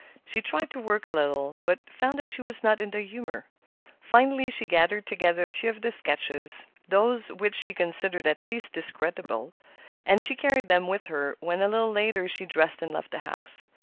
She tried to work a little, but found she was not in the humor. Finally she gathered together a few of the sketches—those which she considered the least discreditable; and she carried them with her when, a little later, she dressed and left the house.